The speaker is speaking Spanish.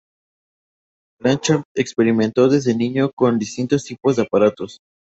Blanchard experimentó desde niño con distintos tipos de aparatos.